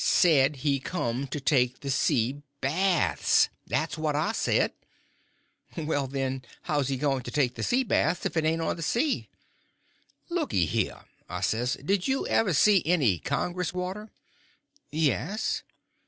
"Said he come to take the sea baths—that's what I said." "Well, then, how's he going to take the sea baths if it ain't on the sea?" "Looky here," I says; "did you ever see any Congress water?" "Yes."